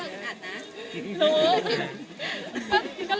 แต่ทุกคนอึดอัดนะ